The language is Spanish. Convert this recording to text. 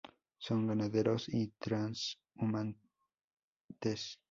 Son ganaderos, y trashumantes.